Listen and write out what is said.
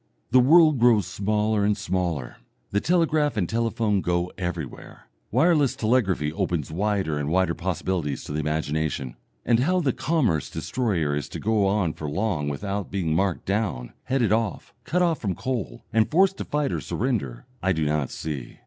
The world grows smaller and smaller, the telegraph and telephone go everywhere, wireless telegraphy opens wider and wider possibilities to the imagination, and how the commerce destroyer is to go on for long without being marked down, headed off, cut off from coal, and forced to fight or surrender, I do not see.